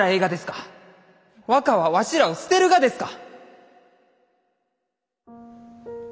若はわしらを捨てるがですか？